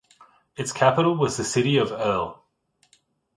Its capital was the city of Oels.